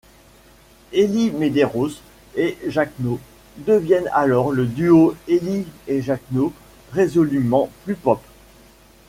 Elli Medeiros et Jacno deviennent alors le duo Elli et Jacno résolument plus pop.